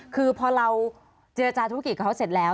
คือพอเราเจรจาธุรกิจแล้ว